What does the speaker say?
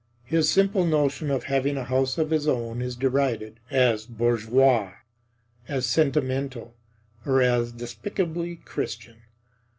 His simple notion of having a home of his own is derided as bourgeois, as sentimental, or as despicably Christian.